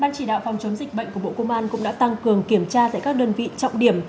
ban chỉ đạo phòng chống dịch bệnh của bộ công an cũng đã tăng cường kiểm tra tại các đơn vị trọng điểm